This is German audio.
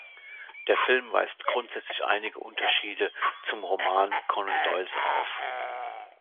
Der Film weist grundsätzlich einige Unterschiede zum Roman Conan Doyles auf.